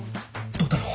どうだろう。